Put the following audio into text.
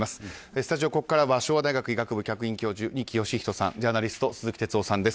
スタジオ、ここからは昭和大学医学部客員教授二木芳人さんとジャーナリストの鈴木哲夫さんです。